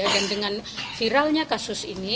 dan dengan viralnya kasus ini